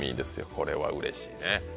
これはうれしいね。